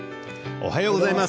おはようございます。